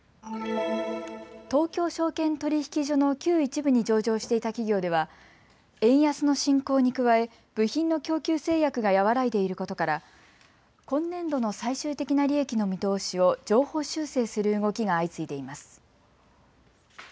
東京証券取引所の旧１部に上場していた企業では円安の進行に加え部品の供給制約が和らいでいることから今年度の最終的な利益の見通しを上方修正する動きが相次いでいます。